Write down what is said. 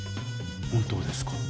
本当ですか？